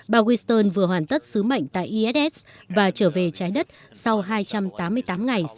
bà wiston vừa hoàn tất sứ mệnh tại iss và trở về trái đất sau hai trăm tám mươi tám ngày